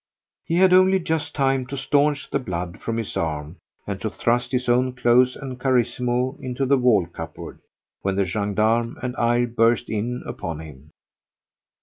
He had only just time to staunch the blood from his arm and to thrust his own clothes and Carissimo into the wall cupboard when the gendarme and I burst in upon him.